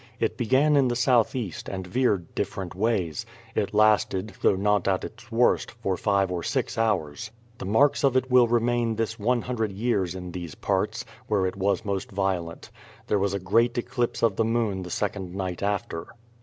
It began in the southeast, and veered different ways. It lasted, though not at its worst, for five or six hours. The marks of it will remain this loo years in these parts, where it was most violent. There was a great eclipse of the moon the second night after.